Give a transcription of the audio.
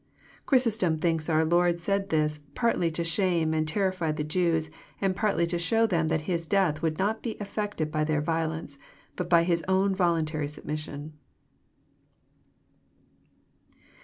'* Chrysostom thinks our Lord said this, partly to shame and terrify the Jews, and partly to show them that His death would not be affected by their violence, bat by His own voluntary sub mission.